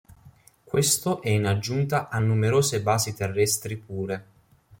Questo è in aggiunta a numerose basi terrestri pure.